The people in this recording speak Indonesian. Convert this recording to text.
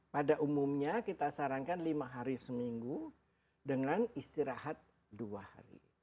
pada umumnya kita sarankan lima hari seminggu dengan istirahat dua hari